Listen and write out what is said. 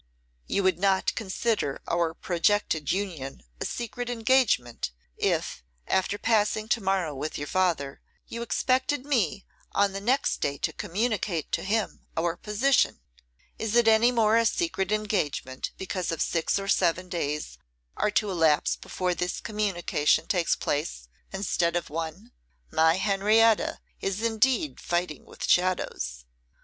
'You would not consider our projected union a secret engagement, if, after passing to morrow with your father, you expected me on the next day to communicate to him our position. Is it any more a secret engagement because six or seven days are to elapse before this communication takes place, instead of one? My Henrietta is indeed fighting with shadows!